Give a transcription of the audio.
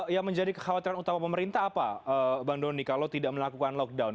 yang menjadi kekhawatiran utama pemerintah apa bang doni kalau tidak melakukan lockdown